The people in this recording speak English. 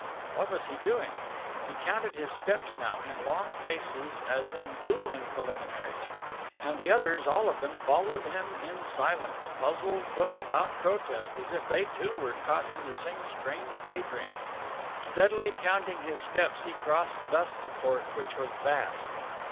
What was he doing? He counted his steps now, in long paces, as in dueling preliminaries. And the others, all of them, followed him in silence, puzzled, but without protest, as if they, too, were caught in the same strange day dream. Steadily counting his steps he crossed thus the court, which was vast.